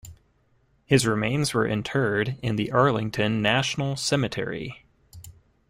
His remains were interred in the Arlington National Cemetery.